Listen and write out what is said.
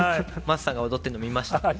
桝さんが踊ってるの見ました。